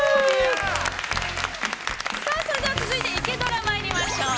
さあそれでは続いて「イケドラ」まいりましょう。